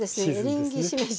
エリンギしめじ